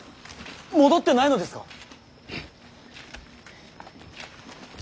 戻ってないのですか！